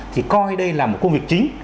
thì coi đây là một công việc chính